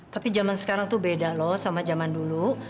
tapi zaman sekarang tuh beda loh sama zaman dulu